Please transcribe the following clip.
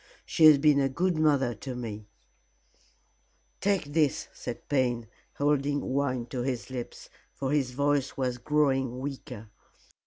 She has been a good mother to me " "Take this," said Payne, holding wine to his lips, for his voice was growing weaker.